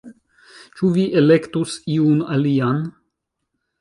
Ĉu vi elektus iun alian